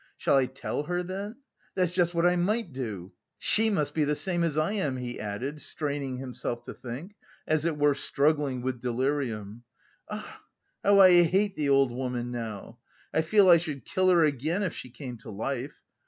shall I tell her then? That's just what I might do.... She must be the same as I am," he added, straining himself to think, as it were struggling with delirium. "Ah, how I hate the old woman now! I feel I should kill her again if she came to life!